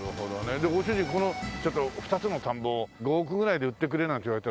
でご主人この２つの田んぼを５億ぐらいで売ってくれなんて言われたら。